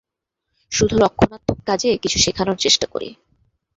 শুধু রক্ষণাত্মক কাজে কিছু শেখানোর চেষ্টা করি।